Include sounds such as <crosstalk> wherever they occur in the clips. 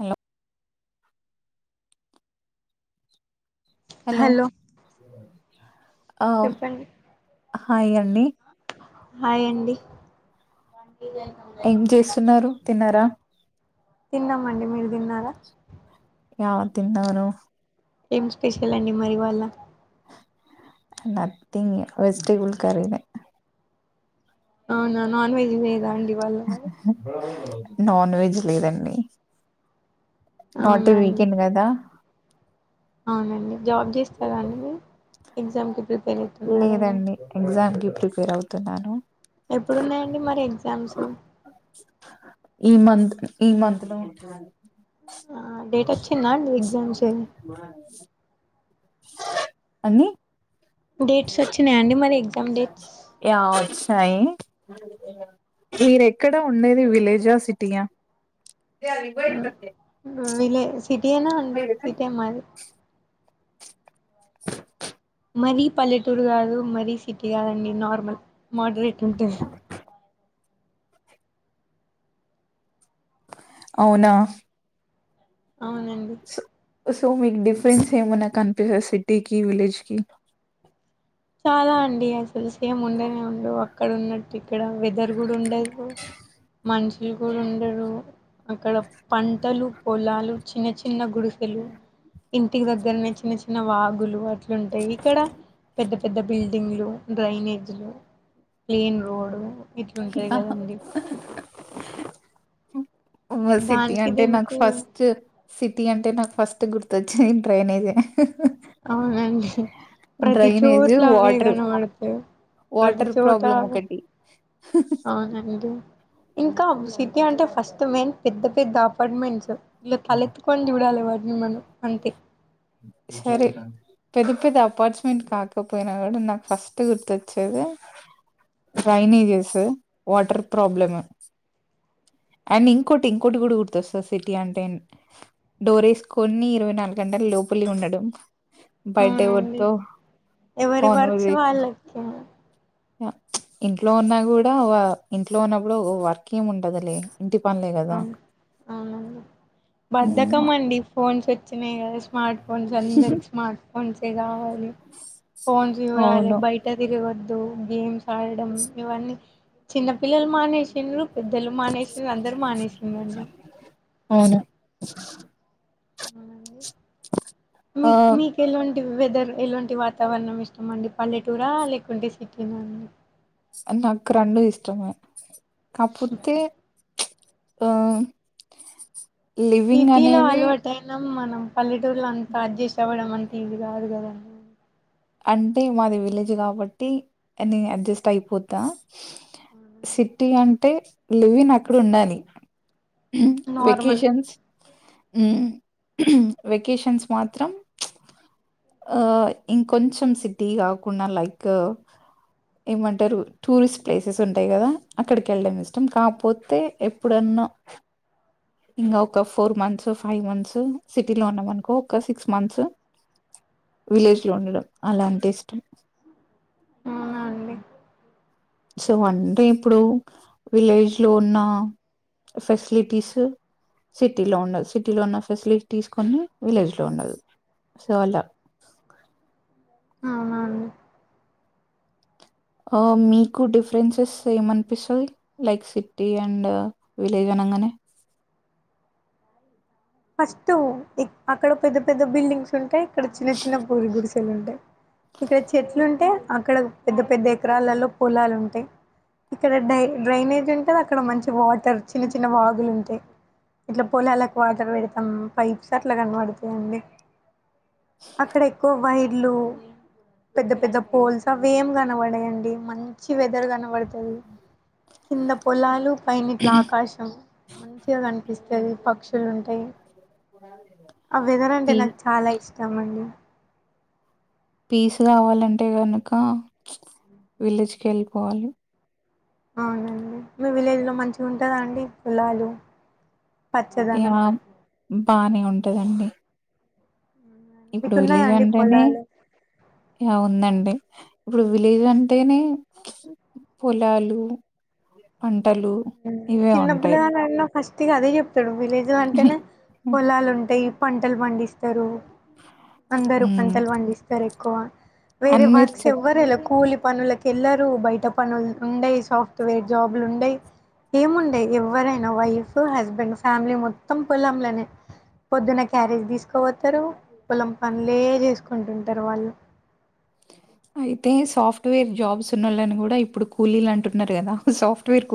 Hello hello! ఆ చెప్పండి. Hi అండి. హాయ్ అండి. ఏం చేస్తున్నారు తిన్నరా? తిన్నామండి, మీరు తిన్నారా? యా తిన్నాను. ఏం స్పెషల్ అండి మరి ఇవాళ నతింగ్ వెజిటబుల్ కర్రీనే అవునా నాన్ వెజ్ లేదా అండి ఇవాళ మరి నాన్ వెజ్ లేదండి. నాట్ అవునా ఎ అండి వీకెండ్ గదా అవునండి జాబ్ చేస్తారా అండి మీరు ఎగ్జామ్కి ప్రిపేర్ అవుతున్నారా లే లేదండి ఎగ్జామ్ కి ప్రిపేర్ అవుతున్నాను. ఎప్పుడున్నాయండి మరి ఎగ్జామ్స్ ఈ మంత్ ఈ మంత్లో ఉంటదం డేట్ వచ్చిందా అండి ఎగ్జామ్స్ అన్ని డేట్స్ వచ్చినాయా అండి మరి ఎగ్జామ్ డేట్స్ ఏ ఆ వచ్చినాయి మీరెక్కడ ఉండేది విలేజా సిటీయ. <unintelligible> విలే సిటీయేనా అండి సిటే మాది. మరి పల్లెటూర్ గాదు మరీ సిటీ కాదండి నార్మల్ మోడ్రేట్ ఉంటది. అవునా ఔనండి. సో మీక్ డిఫరెన్సేమున్న కన్పిస సిటీకి విలేజ్కి చాలా అండి అసలు సేముండనే ఉండవు అక్కడున్నట్టిక్కడ వె జర్గుడుండదు మన్షుల్ గూడుండరు. అక్కడ పంటలు పొలాలు చిన్న చిన్న గుడిసెలు ఇంటికి దగ్గర్నే చిన్న చిన్న వాగులు అట్లుంటయ్ ఇక్కడ ద బిల్డింగ్లు డ్రైనేజ్లు క్లీన్ రోడు ఇట్లుంటది ఆ గదండి. మద్ సిటీ అంటె నాక్ దీనికి ఫస్ట్ సిటీ అంటె నాక్ ఫస్ ట్ గుర్తొచ్చ్నేద్ డ్రైనేజె. ఔనండి ప్రతి డ్రైనేజ్ చోట్ల అవ్వె వాటర్ గనబడ్తయ్. వాటర్ ప్రదిచోటా ప్రాబ్లం అవ్ ఒకటి ఔనండి. ఇంకా అవ్ సిటీ అంటె ఫస్ట్ మెయ్న్ పెద్ద పెద్ద అపాట్మెంట్స్. ఇలా తలెత్తుకొన్ జూడాలె వాట్ని మనం అంతె. సరే పెద్ద పెద్ద అపాట్స్మెంట్ కాకపొయ్నా గూడ నాక్ ఫస్ట్ గుర్తుచ్చేది డ్రైనేజెస్సు వాట్ర్ ప్రాబ్లము. అండ్ ఇంకోటి ఇంకోటి గూడ గుర్తొస్తది సిటీ అంటేన్ డోరేస్కొని ఇరవై నాలుగంటల్ లోపలే ఉండడం. అవునండి బైటెవర్తో ఎవరి వర్క్స్ కాన్వర్జేషన్ వాళ్ళకి య ప్చ్ ఇంట్లో ఉన్నా గూడా వ ఇంట్లో ఉన్నప్పుడు వర్కేముండదు లె. ఔ ఔనండి ఉమ్, బద్దకమండి ఫోన్సొచ్చినాయ్ గద స్మాట్ ఫోన్సందర్కి స్మార్ట్ ఫోన్సె గావాలి ఫోన్స్ జూడాలె అవును బైట తిరిగొద్ దు గేమ్సాడడం ఇవన్ని చిన్న పిల్లల్ మానేషిండ్రు పెద్దలు మానేషిల్లు అందర్ మానేషిండ్రండి. ఔన <unintelligible> ఆ మీక్ మీకెల్ల వెదరు ఎలుంటి వాతావరణమిష్టమండి పల్లెటూరా లేకుంటె సిటీనా అండి. అ నాక్ రెండూ ఇష్టమే కాక్పోతే ప్చ్. ఆ. లివింగ్ సిటీలో అనేది అల్వాటైనాం మనం. పల్లెటూర్లంత అడ్జస్టవ్వడం అంతీజీ గాదు గదండి. అంటె మాది విలేజ్ కాబట్టి అనీ అడ్జస్టైపోతా. సిట్టీ అంటె లివినక్కడుండాలి. నార్మల్ వెకేషన్స్ ఊమ్ వెకేషన్స్ మాత్రం ప్చ్ ఆ ఇంకొంచం సిటీ గాకుండా లైక్ ఏమంటరు టూరిస్ట్ ప్లేసెసుంటయ్ గదా అక్కడికెళ్డమిష్టం కాక్పోతే ఎప్పుడన్న ఇంగ ఒక ఫోర్ మంత్సు ఫైవ్ మంత్సు సిటీలో ఉన్నామన్కో ఒక సిక్స్ మంత్స్ విలేజ్లొ ఉండడం అలాంటెష్టం ఔనా అండి. సో అంటె ఇప్పుడు విలేజ్లొ ఉన్నా ఫెస్లిటీస్ సిటీలో ఉండద్ సిటీలో ఉన్న ఫెసిలిటీస్ కొన్ని విలేజ్లో ఉండదు. సో అలా అవునా అండి. ఓ మీకు డిఫరెన్సెస్ ఏమన్పిస్తది లైక్ సిటీ అండ్ విలేజ్ అం నంగనె ఫస్టు ఇక్ అక్కడ పెద్ద పెద్ద బిల్డింగ్సుంటయ్ ఇక్కడ చిన్న చిన్న పూరిగుడిసె తులుంటయ్ ఇక్కడ చెట్లుంటయ్ అక్కడొగ్ పెద్ద పెద్ద ఎకరాలల్లొ పొలాలుంటయ్. ఇక్కడ డై డ్రైనేజుంటదక్కడ మంచి వాటర్ చిన్న చిన్న వాగులుంటయ్. ఇట్ల పోలాలక్ వాట్ టర్ పెడ్తం పైప్స్ అట్ల కనబడతయండి అక్కడ ఎక్కువ వైట్ ఇల్లు పెద్ద పెద్ద పోల్స్ అవ్వేం కనబడయండి మంచి వెథర్ కన బడతది కింద పొలాలు పైనిట్ల ఆకాశం మంచిగ కనిపిస్ తది పక్షులుంటయ్ ఆ వెథర్ అంటే పీ నాక్ చాలా ఇష్ టం అండి. పీస్ గావాలంటే గనక విలేజ్కెళ్ళిపోవాలి. అవునండి మీ విలేజ్లో మంచిగుంటదా అండి పోలాలు పచ్చదనం యా బానే ఉంటదండి. ఇప్పుడు మీకున్నాయా విలేజ్ అండి అంటేనే పొలాలు యా ఉందం డి ఇప్పుడు విలేజ్ అంటేనే పొలాలు, పం టలు ఇవే ఉంటయి ఫస్టిగ అదే చెప్తడు విలేజ్ అంటేనే పొలాలుంటయ్ పంటల్ పండిస్తరు అందరు హ్మ్. పంటల్ పండిస్తర్ ఎక్కువ వేరే అండ్ మీరు వర్క్స్ చెప్ ఎవ్వర్ ఎల్ల కూలి పనులకెళ్ళరు బయట పనుల్ ఉండయ్ సాఫ్ట్వేర్ జాబ్లుండయ్ ఏముండయ్ ఎవ్వరైనా వైఫ్ హస్బెండ్ ఫ్యామిలీ మొత్తం పొలంలనే పొద్దున క్యారేజ్ తీస్కపోతరు పొలం పన్లే చేసుకుంటుంటరు వాళ్ళు అయితే సాఫ్ట్వేర్ జాబ్స్ ఉన్నోళ్ళన్ గుడా ఇప్పుడు కూలీలంటున్నర్ గదా సాఫ్ట్వేర్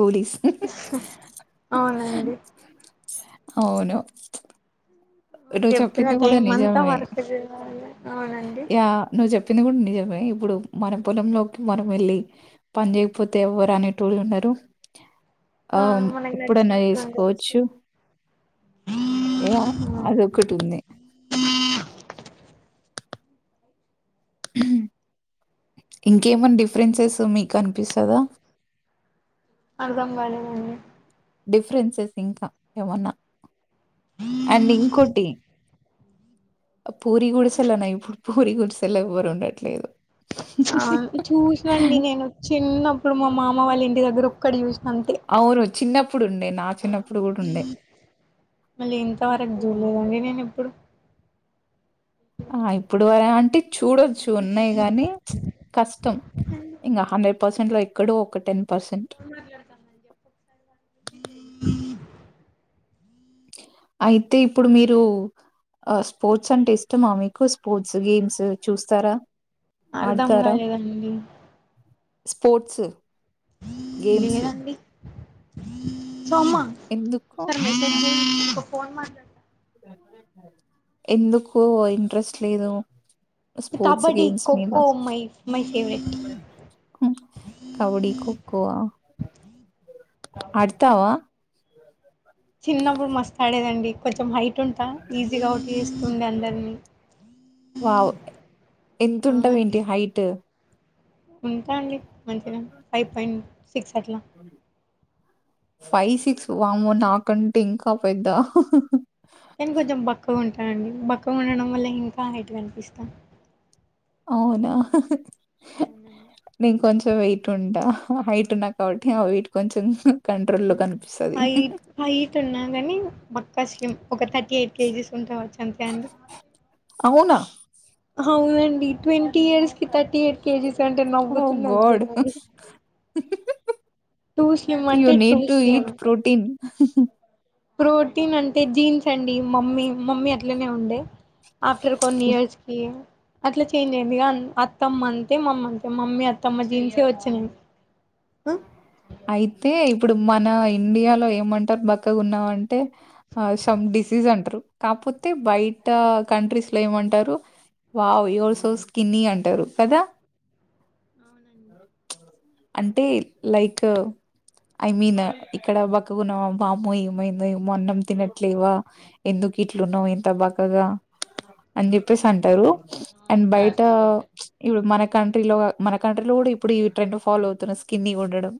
అవునండి. అవును. వాళ్ నువ్వు జెప్పిన చెప్పింది టైం అంతా వర్క్ చేయాలిగ యా ను జెప్ ప్పింది గుడా నిజమే ఇప్పుడు మన పొలంలోకి మనం వెళ్ళి పన్ చేయకపోతే ఎవ్వర్ అనేటోళ్ళు ఉండరు ఆ మనకు ఎప్పుడన్నా నచ్చినట్టు ఉండొచ్చు చేసుకోవచ్చు. యా అవునండి అదొకటుంది. ఇంకేమన్ డిఫరెన్సెస్ మి కన్పిస్తదా అర్థం కాలేదండి డిఫరెన్సెస్ ఇంకా ఏమన్న అండ్ ఇంకోటి అ పూరి గుడిసెలోన ఇప్పుడు పూరి గుడిసెల ఎవ్వర్ ఉండట్లేదు. ఆ చూస్నండి నేను చిన్నప్పుడు మా మామ్ మ వాళ్ళింటి దగ్గర ఒక్కటి చేసినా అంతే ప్పుడుండే నా చిన్నప్ మళ్ళి ఇంతవరక్ జూడ్లేదండి నేనిప్పుడు ఆ ఇప్పుడు వరా ఆంటి చూడొచ్చు ఉన్నయి గాని కష్టం ఇంగ హండ్రెడ్ పర్సెంట్లో ఎక్కడో ఒక టెన్ పర్సెంట్. ఫోన్ మాట్లాడతాన్ దన్ జెప్పు ఒకసారి వాళ్ళకి అయితే ఇప్పుడు మీరూ అ స్పోర్ట్స్ అంటే ఇష్టమా మీకు స్పోర్ట్స్, గేమ్స్ చూస్తారా? అర్ధం ఆడతారా? గాలేదండి. స్పోర్ట్స్ గేమ్స్ లేదండి దొమ్మా ఎందుకు ఒకసారి మెసజ్ చెయ్ ఒక ఫోన్ మాట్లాడతాన ఎందుకు ఇంట్రెస్ట్ లేదు స్పోర్ట్స్ కబడ్డీ గేమ్స్ మిద ఖోఖో మై మై ఫేవరెట్ కౌడి, ఖోఖో ఆడ్తావా? చిన్నప్పుడు మస్తాడేదండి కొంచం హైట్ ఉంటా ఈజీగా ఔట్ చేస్తుండే అందర్నీ వావ్ ఎంతుంటవ్ అవునండి ఏంటి హైట్ ఉంటా అండి మంచిగనే ఫైవ్ పాయింట్ సిక్స్ అట్లా ఫైవ్ సిక్స్ వామో నాకంటే ఇంకా పెద్ద నేన్ కొంచెం బక్కగుంటానండి బక్కగుండడం వల్ల ఇంకా హైట్ కనిపిస్తా అవునా నేన్ కొంచెం వెయిట్ ఉంటా హైట్ ఉన్న కాబట్టి ఆ వెయిట్ కొంచెం కంట్రోల్‌లో కనిపిస్తది. హై హైట్ ఉన్నా గాని బ క స్లిమ్ థర్టీ ఎయిట్ కేజీస్ ఉంటావచ్చు అంతే అండి అవునా అవునండి ట్వంటీ ఇయర్స్ కి థర్టీ ఎయిట్ కేజీస్ అంటే ఓహ్! నవ్వుతున్నరూ గాడ్. జనాలు టూ స్లిమ్ యూ అంటే two need to slim eat protein protein అంటే జీన్స్ అండి మమ్మీ మమ్మీ అట్లనే ఉండే ఆఫ్టర్ కొన్ని ఇయర్స్కి అట్లా చేంజ్ అయింది ఇగ అత్తమ్మ అంతే మమ్మ అంతే మమ్మీ అత్తమ్మ జీన్సే ఒచ్చింది అయితే ఇప్పుడు మనా ఇండియాలో ఏమంటారు బక్కగుంన్నావ్ అంటే సమ్ డిసీజ్ అంటారు కా పోతే బైట కంట్రీస్ లో ఏమంటారు వావ్ యోర్ సో స్కిన్నీ అంటారు కదా అంటే లైక్ ఐ మీన్ ఇక్కడ బక్కగున్నవ వామో ఏమైందో ఏమో అన్నం తినట్లేవా ఎందుక్ కిట్లున్నావ్ ఇంత బక్కగా అని జెప్పేసి అంటారు అండ్ బయటా ఇప్పుడ్ మన కంట్రీ లో మన కంట్రీలో గూడా ఇప్పుడు ఈ ట్రెండ్ ఫాలో అవుతున్న స్కిన్ని ఉండడం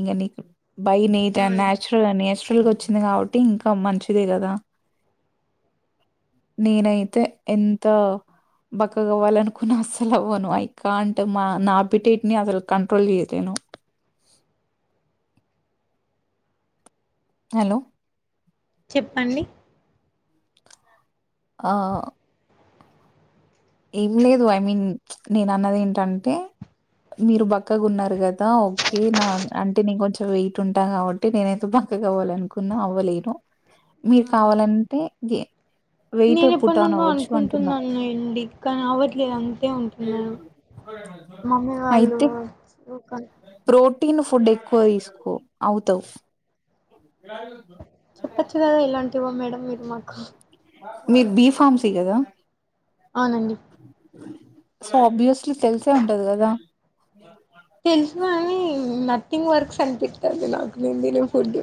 ఇంగ నీక్ బై నేట్ ఆ నాచురల్ నేచురల్గా ఓచ్చింది కాబట్టి ఇంకా మంచిదే కదా నేనైతే ఎంత బక్కగవ్వాలనుకున్నా అసలు అవ్వను ఐ కాంట్ మా నా అప్పిటేట్నీ అసల్ కంట్రోల్ జేయలేను హలో చెప్పండి ఆ ఏం లేదు ఐ మీన్ నేనన్నది ఏంటంటే మీరు బక్కగుంన్నారు గదా ఓకే నా అంటే నేన్ కొంచెం వెయిట్ ఉంటా కాబట్టి నేనైతే బ బక్కగ అవ్వాలనుకున్న అవ్వలేను మీరు కావాలంటే గే వెయిట్ నేన్ పుట్ ఆన్ ఎప్పట్నుండో అవ్వచ్చు అంటున్నా. అనుకుంటున్నాన్లేండి కని అవట్లేదు అంతే ఉంటున్నాను మమ్మీ వాళ్ళు అయితే ప్రోటీన్ ఫుడ్ ఎక్కువ తీస్కో అవుతవ్ చెప్పచ్చు కదా ఇలాంటివో మేడం మీరు మాకు మీక్ బి ఫార్మ్సి కదా అవునండి సో ఆబ్వియస్లీ తెలిసే ఉంటది గదా తెలుసు గాని నథింగ్ వర్క్స్ అనిపిత్తాంది నాకు నేన్ తినే ఫుడ్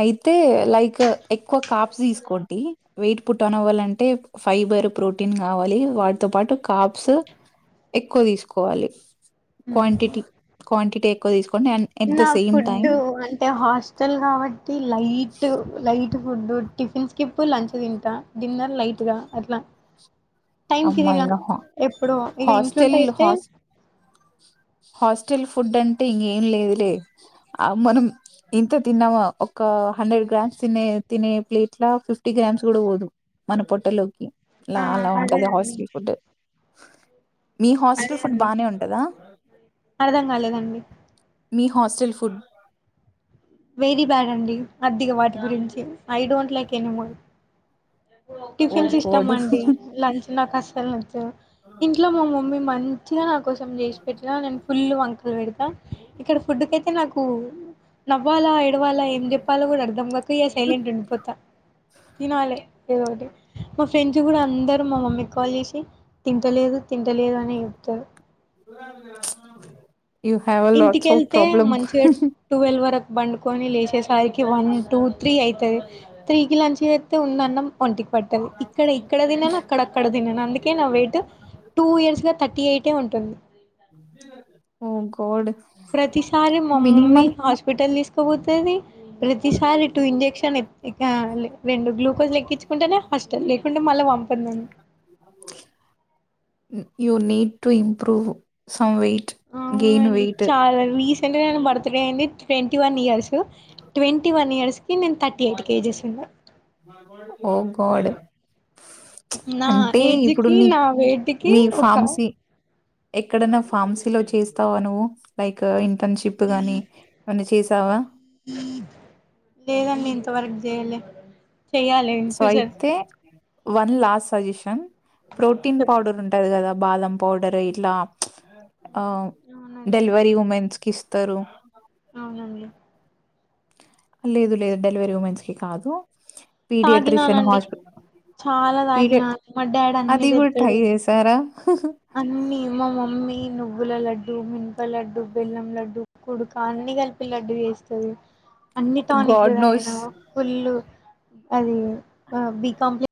అయితే లైక్ ఎక్కువ కాప్స్ దీస్కోండి వెయిట్ పుట్టోనవ్వాలంటే ఫైబర్ ప్రోటీన్ కావాలి వాటితో పాటు కాప్స్ ఎక్కువ తిసుకోవాలి క్వాంటిటీ క్వాంటిటీ ఎక్కువ తిసుకోండి and at the same time స్టల్ కాబట్టి లైట్ లై ఫుడ్డు టిఫిన్ స్కిప్ లంచ్ తింటా డిన్నర్ లైట్గా అట్ల టైమ్కి అమ్మా దిన ఇంగ హా ఎప్పుడొ ఇగ ఇంట్లుంటె హాస్టల్ ఐతే టిల్ ఫుడ్డ్ అంటె ఇంగేం లేదులే అ మనం ఇంత తిన్నవా ఒక్క హండ్రెడ్ గ్రామ్స్ తినే తినె ప్లేట్ లో ఫిఫ్టీ గ్రామ్స్ గుడ వోదు మన పొట్టలోకి ఆ లాలా అదే ఉంటది అండి హాస్టల్ ఫుడ్డ్ నీ హాస్టల్ అదే ఫుడ్డ్ అండి బానే ఉంటదా అర్థం కాలేదండి మీ హాస్టల్ ఫుడ్ వెరీ బ్యాడ్ అండి అద్దిగ వాటి గురించి I don't like anymore oh tiffins ఇష్టం గాడ్ అండి లంచ్ నాక్ అస్సల్ నచ్చదు ఇంట్లో మా మమ్మీ మంచ్ నా కోసం చేష్పెట్టినా నేన్ ఫుల్ల్ వంకల్ పెడ్తా ఇక్కడ ఫుడ్డుకైతె నాకు నవ్వాలా ఎడ్వాలా ఏం చెప్పాలో కూడ అర్థం కాక ఇగ సైలెంట్ఉండిపోత తినాలె ఏదో ఒకటి మా ఫ్రెండ్స్ గుడ అందరూ మా మమ్మిక్ కాల్ చేశి తింటలేదు తింటలేదనే చేప్తరు you have a lots of ఇంటికెళ్తే ప్రాబ్లమ్ మంచిగా టువెల్ వరక్ పండుకొని లేశేసరికి వన్ టూ త్రీ ఐతది త్రీకి లంచ్ చేత్తె ఉన్నన్నం ఒంటిక్ పట్టది ఇక్కడ ఇక్కడ తినన్ అక్కడ అక్కడ తినన్ అందుకే నా వెయిట్ టూ ఇయర్స్ ల థర్టీ ఏయి ట్టె ఉంటుంది ఓ గాడ్ ప్రతిసారి మా మమ్మి మినిమం హాస్పెటల్ తీస్కవోతది ప్రతిసారి టూ ఇంజెక్షన్ ఎ ఎక లె రెండు గ్లూకోస్లెక్కిచ్చుకుంటేనే హస్టల్ లేకుంటే మళ్ళ వంపద్ నన్ను you need to improve some way ఔనండి చాల వీస్ ట్వంటి నైన్ బర్త్డే అయింది twenty one years twenty one ఇయర్స్కి నేన్ థర్టీ ఎయిట్ కేజెస్ ఉన్న ఓ గాడ్ నా అంటే ఇప్పుడు ఏజ్కి నా నిక్ వేటికి ని ఒక ఫామ్సీ ఎక్కడన్న ఫామ్సీలో చేస్తవా నువ్వు లైక్ ఇంటర్న్షిప్ గాని ఏమన్న చేస్ లేదండి ఇంతవరక్ జేయలె చెయ్యాలె ఇన్ సో ఫ్యూచర్ అయితే వన్ లాస్స్ సజెషన్ ప్రోటీన్ చెప్ పౌడర్ ఉంటది గద బాదం పౌడర్ ఇట్ల ఆ అవునండి డెలివరి ఉమెన్స్క్ ఇస్తరు అవునండి లేదు లేదు డెలివరీ ఉమెన్స్కి కాదు పీడియట్రిషన్ హాస్ప్ చాల తాగిన మా డాడ్ అన్నీ అది కూడా ట్రై తెత్తడు చేసారా అన్నీ మా మమ్మీ నువ్వుల లడ్డు మిన్ ప లడ్డు బెల్లం లడ్డు కుడుక అన్ని కల్పి లడ్డు చేస్తది అన్ని టానిక్లు గాడ్ తాగినా నోస్ ఫుల్ల్ అదీ అ బీ కాంప్లె